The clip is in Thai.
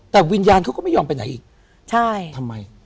แต่วิญญาณเขาก็ไม่ยอมไปไหนอีกใช่ทำไม